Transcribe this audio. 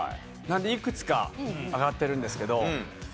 なのでいくつか挙がってるんですけど。